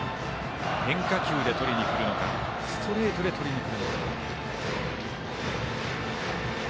変化球でとりにくるのかストレートでとりにくるのか。